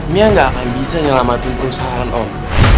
mia nggak akan bisa nyelamatin perusahaan om